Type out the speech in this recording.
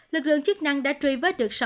lực lượng chức năng đã truy vết được sáu mươi sáu